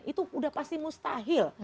itu sudah pasti mustahil